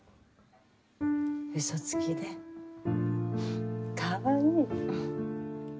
うそつきでかわいい。